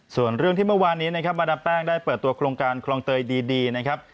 ส่วนเรื่องที่เมื่อวานนี้นะครับมาดามแป้งได้เปิดตัวโครงการคลองเตยดีนะครับ